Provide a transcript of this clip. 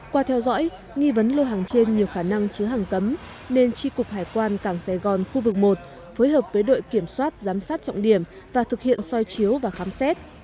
qua theo dõi nghi vấn lô hàng trên nhiều khả năng chứa hàng cấm nên tri cục hải quan cảng sài gòn khu vực một phối hợp với đội kiểm soát giám sát trọng điểm và thực hiện soi chiếu và khám xét